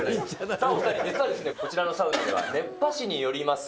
さあ、お２人、実はこちらのサウナでは、熱波師によります